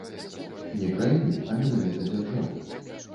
Не краіны, а менавіта дзяржавы.